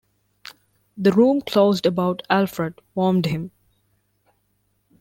The room closed about Alfred, warmed him.